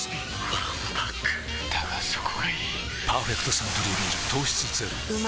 わんぱくだがそこがいい「パーフェクトサントリービール糖質ゼロ」さあを見せてみろ